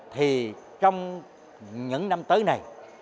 thì trong những năm tới này